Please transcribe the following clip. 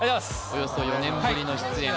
およそ４年ぶりの出演